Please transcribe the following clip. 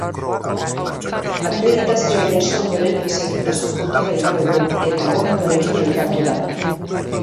Akreditazioa jaso ondoren segurtasun-kontrola igaro du eta abokatuarekin elkartu da.